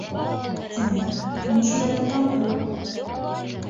—Тимәк, мин шулай ҙа Таңһыу!